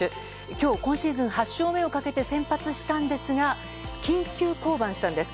今日、今シーズン８勝目をかけて先発登板したんですが緊急降板したんです。